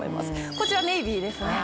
こちらネイビーですね。